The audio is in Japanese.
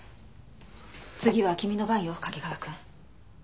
次は君の番よ掛川くん。